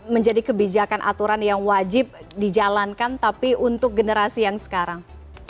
menjadi kebijakan aturan yang wajib dijalankan tapi untuk generasi yang sekarang